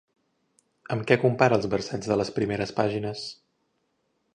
Amb què compara els versets de les primeres pàgines?